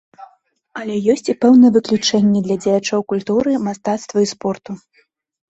Але ёсць і пэўныя выключэнні для дзеячоў культуры, мастацтва і спорту.